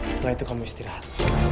setelah itu kamu istirahat